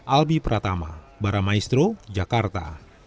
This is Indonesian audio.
alby pratama baramaestro jakarta